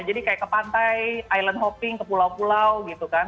jadi kayak ke pantai island hopping ke pulau pulau gitu kan